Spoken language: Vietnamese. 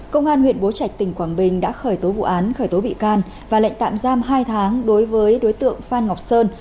công an huyện bố trạch tỉnh quảng bình đã khởi tố vụ án khởi tố bị can và lệnh tạm giam hai tháng đối với đối tượng phan ngọc sơn